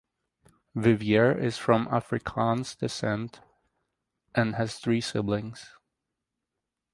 Vivier is from Afrikaans decent and has three siblings.